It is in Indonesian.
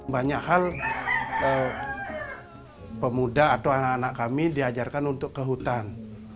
banyak hal pemuda atau anak anak kami diajarkan untuk ke hutan